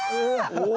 お。